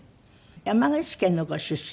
山口県のご出身って。